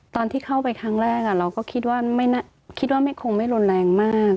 ตอนที่เข้าไปครั้งแรกเราก็คิดว่าคิดว่าคงไม่รุนแรงมาก